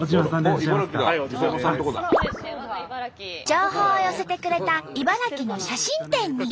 情報を寄せてくれた茨城の写真店に。